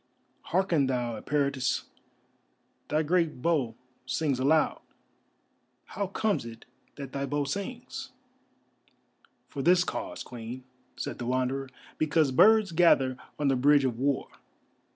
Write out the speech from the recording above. "Hearken thou, Eperitus, thy great bow sings aloud. How comes it that thy bow sings?" "For this cause, Queen," said the Wanderer; "because birds gather on the Bridge of War.